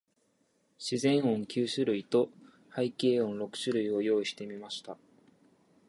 自然音九種類と、背景音六種類を用意してみました。